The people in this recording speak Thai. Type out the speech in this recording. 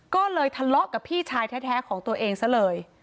ก็เลยทะเลาะกับพี่ชายแท้ของตัวเองซะเลย